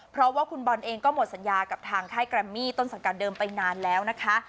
เพราะว่าคุณบอลเองก็หมดสัญญากับทางค่ายแกรมมี่ต้นสังกัดเดิมไปนานแล้วนะคะ